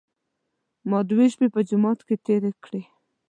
ما دوې شپې په جومات کې تېرې کړې.